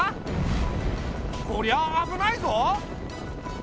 こりゃあ危ないぞ。